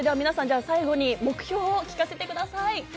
皆さん、最後に目標を聞かせてください。